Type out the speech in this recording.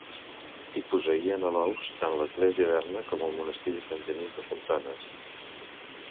Hi posseïen alous tant l'església d'Elna com el monestir de Sant Genís de Fontanes.